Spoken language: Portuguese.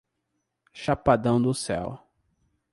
Chapadão do Céu